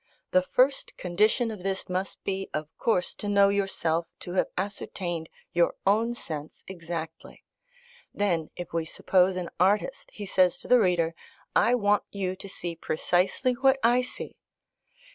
The first condition of this must be, of course, to know yourself, to have ascertained your own sense exactly. Then, if we suppose an artist, he says to the reader, I want you to see precisely what I see.